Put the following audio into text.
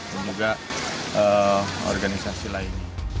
dan juga organisasi lain